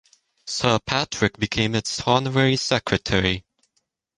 Sir Patrick became its Honorary Secretary.